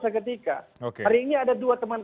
seketika hari ini ada dua teman